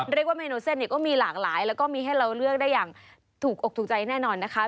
เรียกว่าเมนูเส้นเนี่ยก็มีหลากหลายแล้วก็มีให้เราเลือกได้อย่างถูกอกถูกใจแน่นอนนะคะ